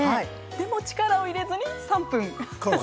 でも力を入れずに３分。